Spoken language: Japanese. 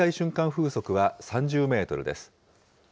風速は３０メートルです。